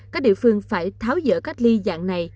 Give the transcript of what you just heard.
các địa phương phải tháo dỡ cách ly dạng này